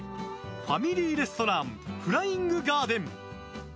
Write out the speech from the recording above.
ファミリーレストランフライングガーデン！